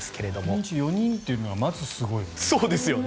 ６人中４人というのがまずすごいですよね。